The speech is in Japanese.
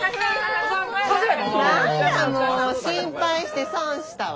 何やもう心配して損したわ。